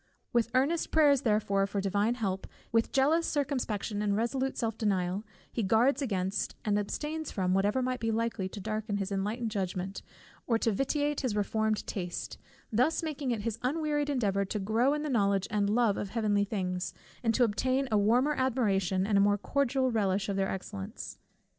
With earnest prayers, therefore, for the Divine Help, with jealous circumspection, and resolute self denial, he guards against, and abstains from, whatever might be likely again to darken his enlightened judgment, or to vitiate his reformed taste; thus making it his unwearied endeavour to grow in the knowledge and love of heavenly things, and to obtain a warmer admiration, and a more cordial relish of their excellence.